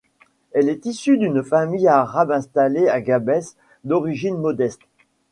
Elle est issue d’une famille arabe installée à Gabès, d’origine modeste.